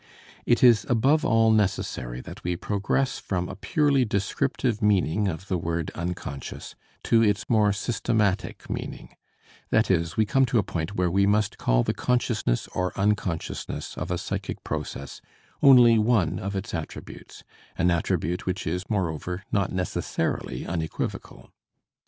It is above all necessary that we progress from a purely descriptive meaning of the word "unconscious" to its more systematic meaning; that is, we come to a point where we must call the consciousness or unconsciousness of a psychic process only one of its attributes, an attribute which is, moreover, not necessarily unequivocal.